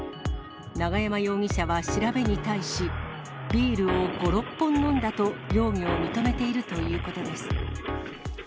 永山容疑者は調べに対し、ビールを５、６本飲んだと、容疑を認めているということです。